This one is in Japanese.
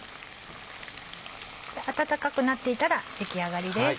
温かくなっていたら出来上がりです。